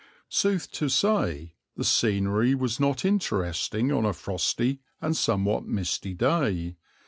Sooth to say, the scenery was not interesting on a frosty and somewhat misty day.